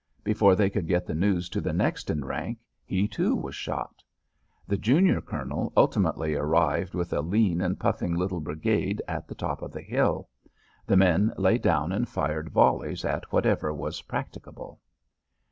Before they could get the news to the next in rank he, too, was shot. The junior Colonel ultimately arrived with a lean and puffing little brigade at the top of the hill. The men lay down and fired volleys at whatever was practicable.